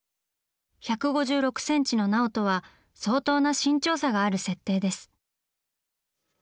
１５６センチの奈緒とは相当な身長差がある設定です。